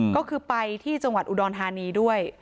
ก็คือไปที่จังหวัดอุดรธานีด้วย